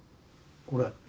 これ。